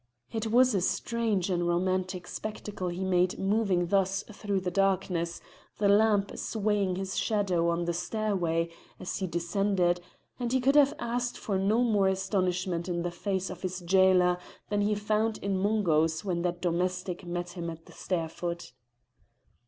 It was a strange and romantic spectacle he made moving thus through the darkness, the lamp swaying his shadow on the stairway as he descended, and he could have asked for no more astonishment in the face of his jailer than he found in Mungo's when that domestic met him at the stair foot.